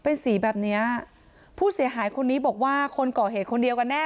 เป็นสีแบบเนี้ยผู้เสียหายคนนี้บอกว่าคนก่อเหตุคนเดียวกันแน่